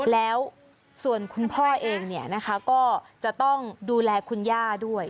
แล้วส่วนคุณพ่อเองเนี่ยนะคะก็จะต้องดูแลคุณย่าด้วย